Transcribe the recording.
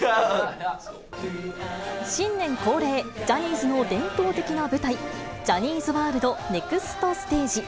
新年恒例、ジャニーズの伝統的な舞台、ジャニーズ・ワールドネクストステージ。